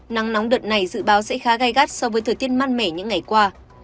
nắng nóng đợt này dự báo sẽ khá gai gắt so với thời tiết mát mẻ những ngày qua